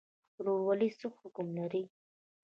ورورولي څه حکم لري؟